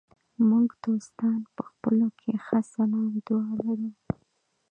موږ دوستان په خپلو کې ښه سلام دعا لرو.